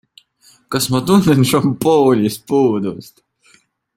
Kas ma tunnen šampoonist puudust?